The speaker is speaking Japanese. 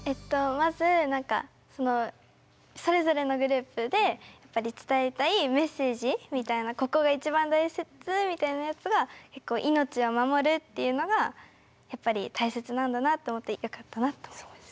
まず何かそのそれぞれのグループで伝えたいメッセージみたいなここが一番大切みたいなやつが命を守るっていうのがやっぱり大切なんだなと思ってよかったなと思います。